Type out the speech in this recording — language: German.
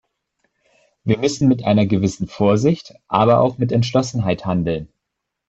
Wir müssen mit einer gewissen Vorsicht, aber auch mit Entschlossenheit handeln.